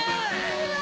・うわ！